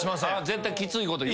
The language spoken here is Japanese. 絶対きついこと。